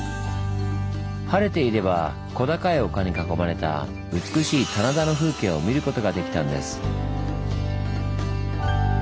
晴れていれば小高い丘に囲まれた美しい棚田の風景を見ることができたんです。